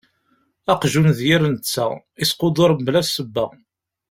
Aqjun d yir netta, isquduṛ mebla ssebba.